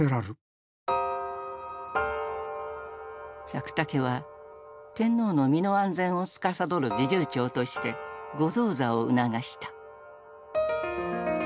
百武は天皇の身の安全をつかさどる侍従長として「御動座」を促した。